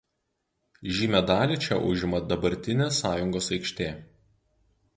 Žymią dalį čia užima dabartinė Sąjungos aikštė.